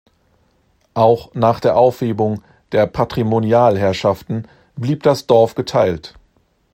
Auch nach der Aufhebung der Patrimonialherrschaften blieb das Dorf geteilt.